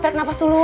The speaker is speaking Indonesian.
tarik nafas dulu